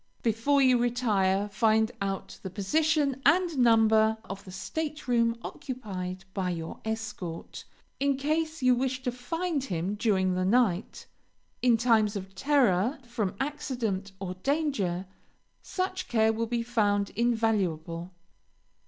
Before you retire, find out the position and number of the stateroom occupied by your escort, in case you wish to find him during the night. In times of terror, from accident or danger, such care will be found invaluable.